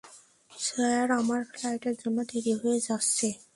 Sir, আমার ফ্লাইটের জন্য দেরি হয়ে যাচ্ছে।